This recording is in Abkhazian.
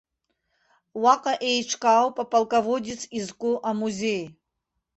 Уаҟа еиҿкаауп аполководец изку амузеи.